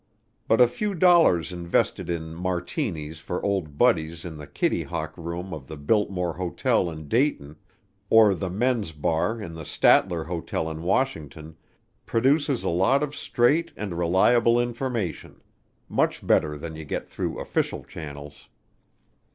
But a few dollars invested in Martinis for old buddies in the Kittyhawk Room of the Biltmore Hotel in Dayton, or the Men's bar in the Statler Hotel in Washington, produces a lot of straight and reliable information much better than you get through official channels.